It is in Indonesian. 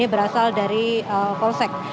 berasal dari polsek